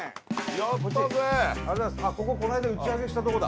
やったぜこここの間打ち上げしたとこだ